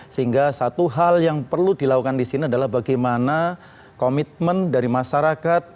sehingga satu hal yang perlu dilakukan di sini adalah bagaimana komitmen dari masyarakat